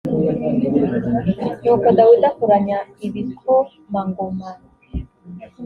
nuko dawidi akoranya ibikomangomar